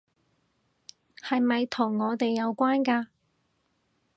係咪同我哋有關㗎？